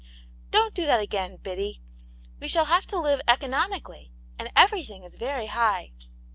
" Don't do that again, Biddy. We shall have to live economically, and everything is very high."